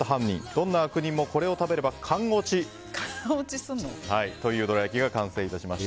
どんな悪人もこれを食べれば完落ちというどら焼きが完成しました。